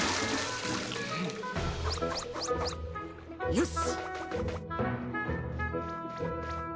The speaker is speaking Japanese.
よし。